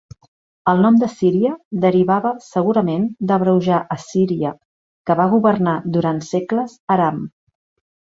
El nom de Síria derivava segurament d'abreujar Assíria, que va governar durant segles Aram.